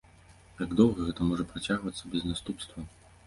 Як доўга гэта можа працягвацца без наступстваў?